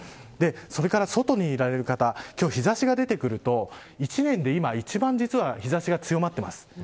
それから外にいられる方も日差しが出てくると１年で今、実は日差しが強まっています。